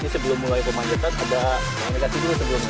sebelum mulai memanjat kan ada komunikasi dulu